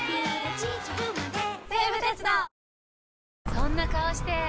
そんな顔して！